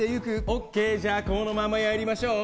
ＯＫ、じゃあこのままやりましょう。